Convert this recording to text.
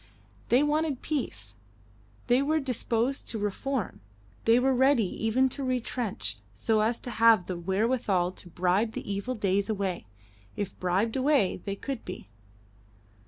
They wanted peace; they were disposed to reform; they were ready even to retrench, so as to have the wherewithal to bribe the evil days away, if bribed away they could be.